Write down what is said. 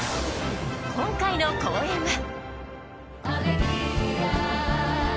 今回の公演は。